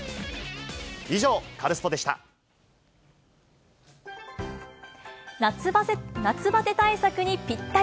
以上、カルスポっ！でした。